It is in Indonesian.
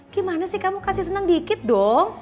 gimana sih kamu kasih senang dikit dong